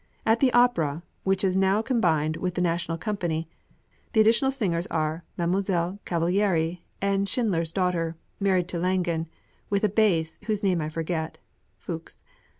At the opera, which is now combined with the national company," the additional singers are Mdlle. Cavalieri, and Schindler's daughter, married to Langin, with a bass, whose name I forget (Fuchs).